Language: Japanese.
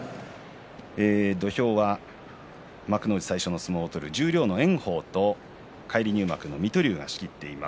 土俵は幕内最初の相撲を取る十両炎鵬と返り入幕の水戸龍が仕切っています。